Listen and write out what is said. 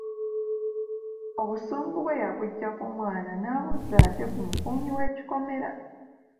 Obusungu bwe yabuggya ku mwana n'abuzza ate ku mukuumi w'ekikomera.